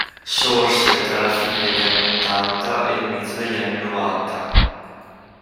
Sorse tra la fine degli anni ottanta e l'inizio degli anni novanta.